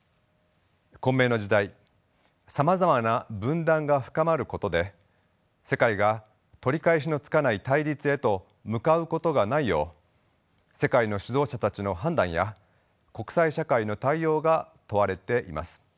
混迷の時代さまざまな分断が深まることで世界が取り返しのつかない対立へと向かうことがないよう世界の指導者たちの判断や国際社会の対応が問われています。